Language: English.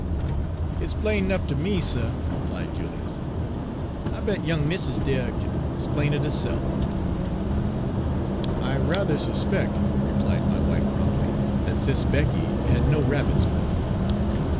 "Hit's plain 'nuff ter me, suh," replied Julius. "I bet young missis dere kin 'splain it herse'f." Page 160 "I rather suspect," replied my wife promptly, "that Sis' Becky had no rabbit's foot."